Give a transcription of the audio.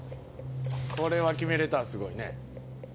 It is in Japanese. これは決めれたらすごいね。